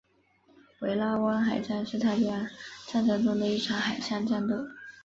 维拉湾海战是太平洋战争中的一场海上战斗。